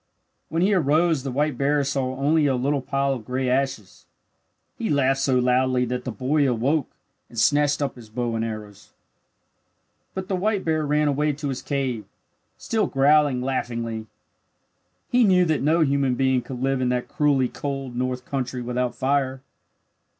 When he arose the white bear saw only a little pile of gray ashes. He laughed so loudly that the boy awoke and snatched up his bow and arrows. But the white bear ran away to his cave, still growling laughingly. He knew that no human being could live in that cruelly cold north country without fire.